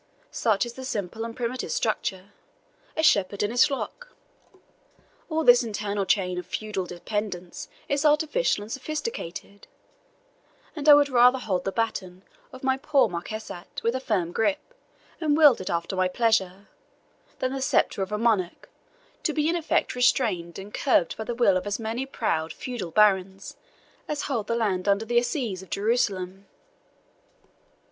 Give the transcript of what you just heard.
Such is the simple and primitive structure a shepherd and his flock. All this internal chain of feudal dependance is artificial and sophisticated; and I would rather hold the baton of my poor marquisate with a firm gripe, and wield it after my pleasure, than the sceptre of a monarch, to be in effect restrained and curbed by the will of as many proud feudal barons as hold land under the Assizes of Jerusalem.